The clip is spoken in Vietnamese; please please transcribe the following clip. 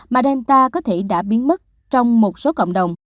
mà delta có thể đã biến mất trong một số cộng đồng